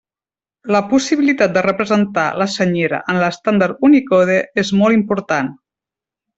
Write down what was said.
La possibilitat de representar la Senyera en l'estàndard Unicode és molt important.